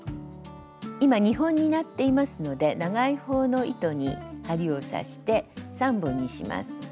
今２本になっていますので長い方の糸に針を刺して３本にします。